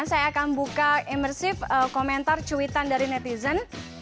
saya akan buka imersif komentar cuitan dari netizen